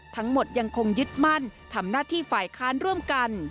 ทั้งหมดยังคงยึดมั่นทำหน้าที่ฝ่ายค้านร่วมกัน